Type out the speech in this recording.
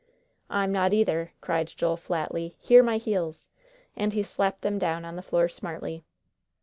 "I'm not either," cried Joel, flatly; "hear my heels." And he slapped them down on the floor smartly.